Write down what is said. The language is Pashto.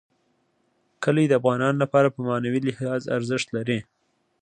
کلي د افغانانو لپاره په معنوي لحاظ ارزښت لري.